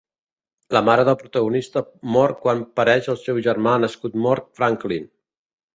La mare del protagonista mor quan pareix el seu germà nascut mort Franklin.